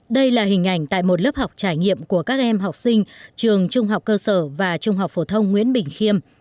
đây là hình ảnh tại một lớp học trải nghiệm của các em học sinh trường trung học cơ sở và trung học phổ thông nguyễn bình khiêm